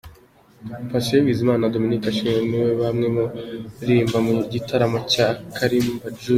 Patient Bizimana na Dominic Ashimwe ni bamwe mu baririmba mu gitaramo cya Kalimba Julius.